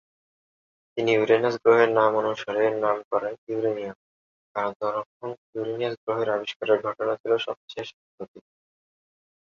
তিনি ইউরেনাস গ্রহের নামানুসারে এর নামকরণ করেন ইউরেনিয়াম কারণ তখন ইউরেনাস গ্রহের আবিষ্কারের ঘটনা ছিল সবচেয়ে সাম্প্রতিক।